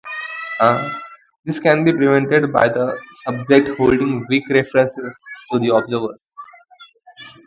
This can be prevented by the subject holding weak references to the observers.